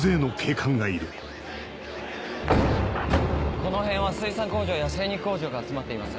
この辺は水産工場や精肉工場が集まっています。